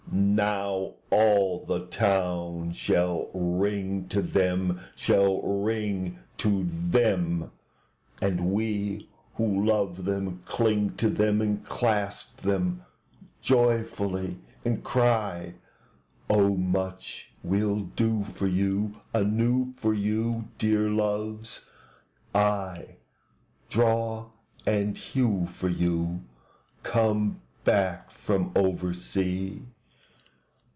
II Now all the town shall ring to them, Shall ring to them, And we who love them cling to them And clasp them joyfully; And cry, "O much we'll do for you Anew for you, Dear Loves!—aye, draw and hew for you, Come back from oversea."